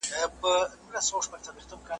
چی له خولې به یې تیاره مړۍ لوېږی `